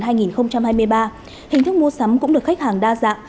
hình thức mua sắm cũng được khách hàng đa dạng